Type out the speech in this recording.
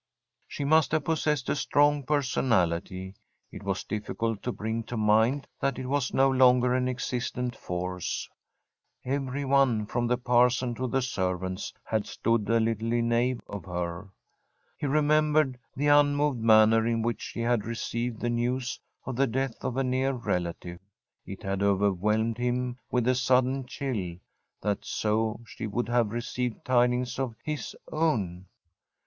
She must have possessed a strong personality. It was difficult to bring to mind that it was no longer an existent force. Every one, from the parson to the servants, had stood a little in awe of her. He remembered the unmoved manner in which she had received the news of the death of a near relative. It had overwhelmed him with a sudden chill, that so she would have received tidings of his own.